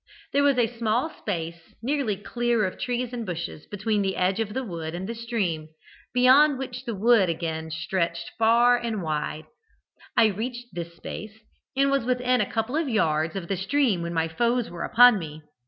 There was a small space nearly clear of trees and bushes between the edge of the wood and the stream, beyond which the wood again stretched away far and wide. I reached this space, and was within a couple of yards of the stream when my foes were upon me.